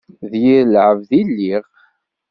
D yir lɛebd i lliɣ.